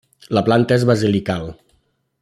La planta és basilical.